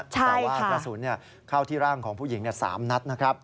แต่ว่ากระสุนเข้าที่ร่างของผู้หญิง๓นัดนะครับ